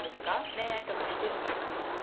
恋愛とかしてるんですか？